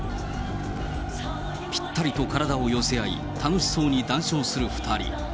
ぴったりと体を寄せ合い、楽しそうに談笑する２人。